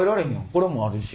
これもあるし。